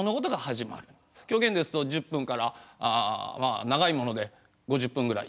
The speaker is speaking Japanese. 狂言ですと１０分からまあ長いもので５０分ぐらい。